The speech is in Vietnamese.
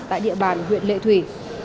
tại địa bàn huyện lệ thủy